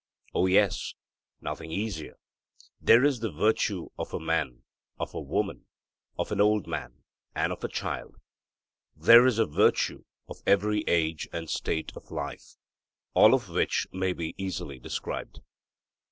'O yes nothing easier: there is the virtue of a man, of a woman, of an old man, and of a child; there is a virtue of every age and state of life, all of which may be easily described.'